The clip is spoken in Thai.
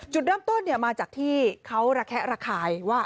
จุดเริ่มต้นมาจากที่เขาระแคะระคายว่า